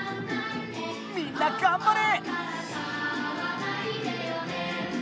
みんながんばれ！